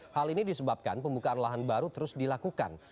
hal ini disebabkan pembukaan lahan baru terus dilakukan